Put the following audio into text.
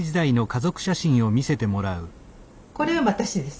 これは私です。